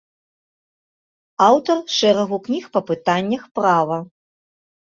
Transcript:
Аўтар шэрагу кніг па пытаннях права.